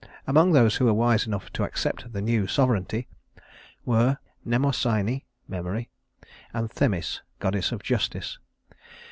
Among those who were wise enough to accept the new sovereignty were Mnemosyne (Memory) and Themis, goddess of justice.